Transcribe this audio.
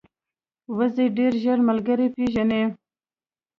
وزې ډېر ژر ملګري پېژني